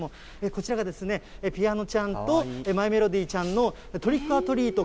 こちらがピアノちゃんとマイメロディちゃんの、トリック・オア・トリート！